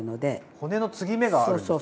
骨の継ぎ目があるんですかね？